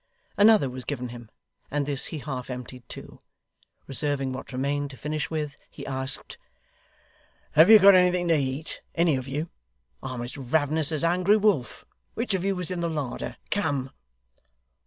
Another was given him, and this he half emptied too. Reserving what remained to finish with, he asked: 'Have you got anything to eat, any of you? I'm as ravenous as a hungry wolf. Which of you was in the larder come?